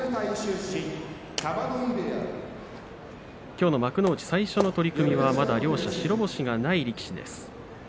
きょうの幕内最初の取組はまだ両者白星がない力士です。